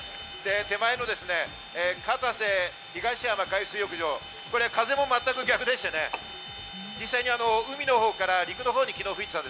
手前の片瀬東山海水浴場、これ、風も全く逆でしてね、実際に海のほうから陸のほうに昨日吹いていた。